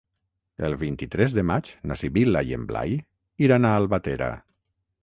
El vint-i-tres de maig na Sibil·la i en Blai iran a Albatera.